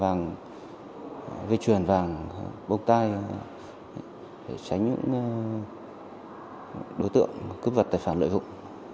vàng vi chuyển vàng bông tai để tránh những đối tượng cướp vật tài sản lợi dụng